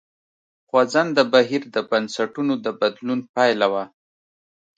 خوځنده بهیر د بنسټونو د بدلون پایله وه.